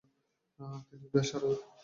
তিনি বেশ সাড়া পান।